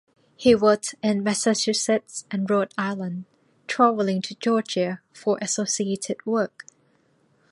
He worked in Massachusetts and Rhode Island, traveling to Georgia for associated work.